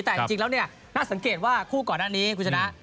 แต่จริงแล้วเนี่ยน่าสังเกตว่าคู่ก่อนหน้านี้คุณชนะ